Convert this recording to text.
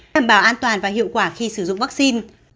đảm bảo an toàn và hiệu quả khi sử dụng vaccine